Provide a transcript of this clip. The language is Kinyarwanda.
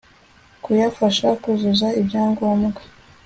kuyafasha kuzuza ibyangombwa